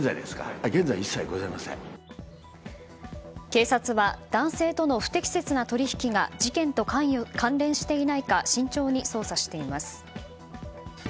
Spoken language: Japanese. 警察は男性との不適切な取引が事件と関連していないか慎重に捜査しています。